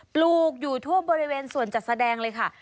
ปลูกอยู่ทั่วบริเวณส่วนจัดแสดงเลยค่ะ